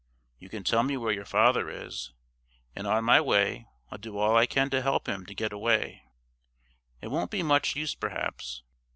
You can tell me where your father is, and on my way I'll do all I can to help him to get away. It won't be much use perhaps.